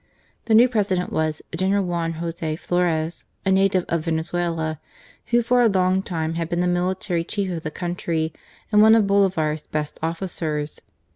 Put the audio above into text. The new President was General Flores, a native of Venzuela, who for a long time had been the military chief of the country and one of Bolivar's best oflScers.